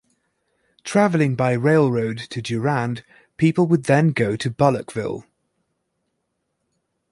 Traveling by railroad to Durand, people would then go to Bullochville.